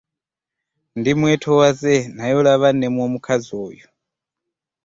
Ndi mwetoowaze naye olaba nnemwa omukazi oyo!